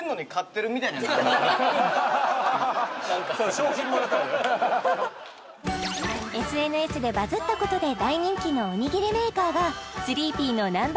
賞品もらったみたいＳＮＳでバズったことで大人気のおにぎりメーカーがＴＨＲＥＥＰＰＹのＮｏ．